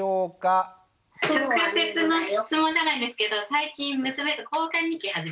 直接の質問じゃないですけど最近娘と交換日記始めて。